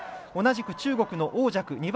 同じく中国の王若。